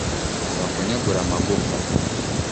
abakonyagure amagufa.